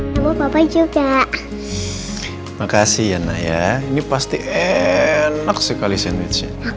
sampai jumpa di video selanjutnya